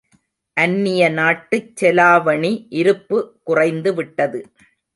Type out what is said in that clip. அந்நிய நாட்டுச் செலாவணி இருப்பு குறைந்துவிட்டது!